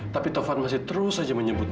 dia masih terus saja mengigau mila